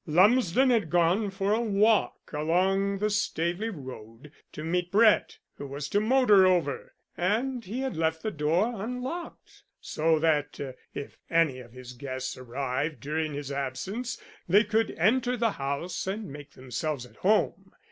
Lumsden had gone for a walk along the Staveley road to meet Brett, who was to motor over, and he had left the door unlocked, so that, if any of his guests arrived during his absence, they could enter the house and make themselves at home.